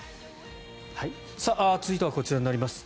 続いてはこちらになります。